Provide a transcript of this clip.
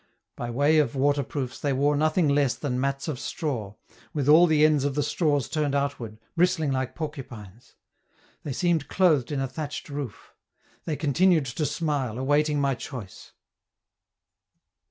By way of waterproofs they wore nothing less than mats of straw, with all the ends of the straws turned outward, bristling like porcupines; they seemed clothed in a thatched roof. They continued to smile, awaiting my choice.